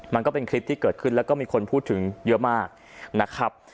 มันก็เป็นคลิปที่เกิดขึ้นแล้วก็มีคนพูดถึงเยอะมากนะครับ